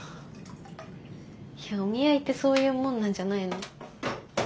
いやお見合いってそういうもんなんじゃないの？